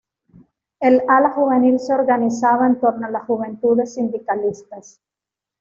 El ala juvenil se organizaba en torno a las Juventudes Sindicalistas.